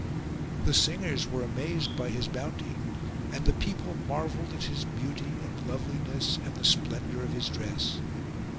The singers were amazed by his bounty and the people marvelled at his beauty and loveliness and the splendour of his dress.